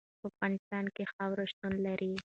په افغانستان کې خاوره شتون لري.